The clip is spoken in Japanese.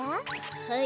はい？